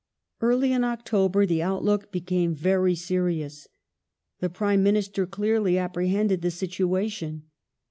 Early in October the outlook became very serious. The Prime Minister clearly apprehended the situation.